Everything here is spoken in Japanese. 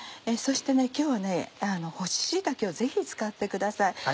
そして今日は干し椎茸をぜひ使ってください。